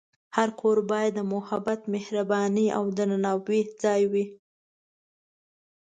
هر کور باید د محبت، مهربانۍ، او درناوي ځای وي.